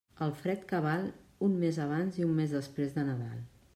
El fred cabal, un mes abans i un mes després de Nadal.